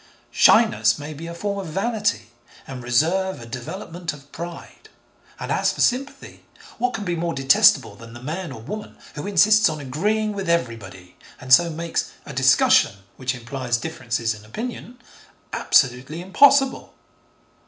Shyness may be a form of vanity, and reserve a development of pride, and as for sympathy, what can be more detestable than the man, or woman, who insists on agreeing with everybody, and so makes 'a discussion, which implies differences in opinion,' absolutely impossible?